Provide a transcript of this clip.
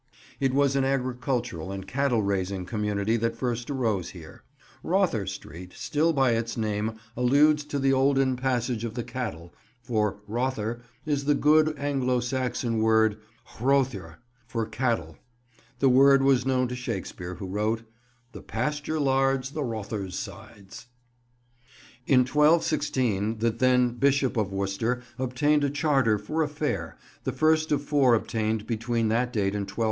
It was an agricultural and cattle raising community that first arose here. "Rother Street" still by its name alludes to the olden passage of the cattle, for "rother" is the good Anglo Saxon word "hroether," for cattle. The word was known to Shakespeare, who wrote, "The pasture lards the rother's sides." In 1216 the then Bishop of Worcester obtained a charter for a fair, the first of four obtained between that date and 1271.